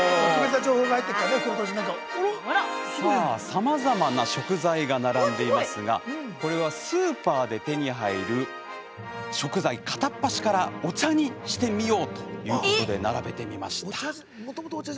さまざまな食材が並んでいますがこれは、スーパーで手に入る食材を片っ端からお茶にしてみようということで並べてみました。